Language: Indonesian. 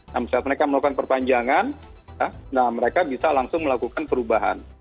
nah saat mereka melakukan perpanjangan mereka bisa langsung melakukan perubahan